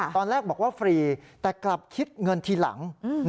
ตอนแรกบอกว่าฟรีแต่กลับคิดเงินทีหลัง